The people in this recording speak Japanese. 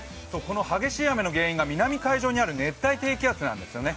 激しい雨の原因が東海上にある熱帯低気圧なんですよね。